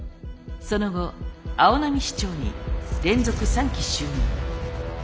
その後青波市長に連続３期就任。